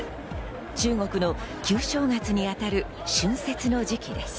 中国の旧正月に当たる春節の時期です。